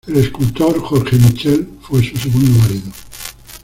El escultor Jorge Michel fue su segundo marido.